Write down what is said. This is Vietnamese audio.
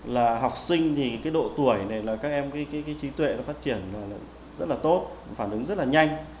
là học sinh thì cái độ tuổi này là các em cái trí tuệ nó phát triển rất là tốt phản ứng rất là nhanh